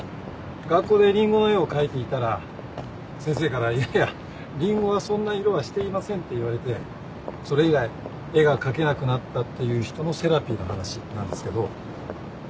学校でリンゴの絵を描いていたら先生から「いやいやリンゴはそんな色はしていません」って言われてそれ以来絵が描けなくなったっていう人のセラピーの話なんですけど。